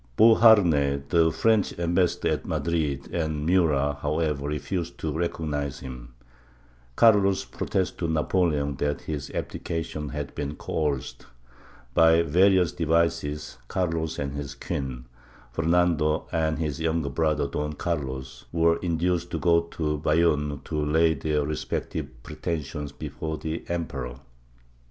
Beauharnais, the French ambassador at Madrid, and Murat, however, refused to recognize him; Carlos protested to Napoleon that his abdication had been coerced; by various devices, Carlos and his queen, Fernando and his younger brother Don Carlos, were induced to go to Bayonne to lay their respective pretensions before the emperor.